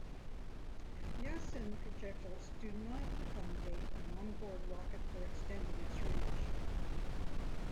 Yasin projectiles do not accommodate an onboard rocket for extending its range.